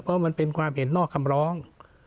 เพราะมันเป็นความเห็นนอกคำร้อง